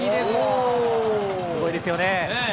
すごいですよね。